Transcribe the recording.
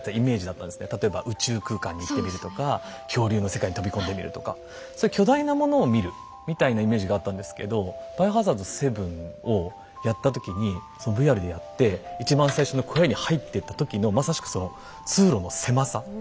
例えば宇宙空間に行ってみるとか恐竜の世界に飛び込んでみるとかそういう巨大なものを見るみたいなイメージがあったんですけど「バイオハザード７」をやった時にそのＶＲでやって一番最初の小屋に入ってった時のまさしくその通路の狭さ。